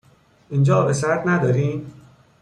اینجا آب سرد ندارین؟